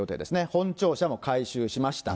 本庁舎も改修しました。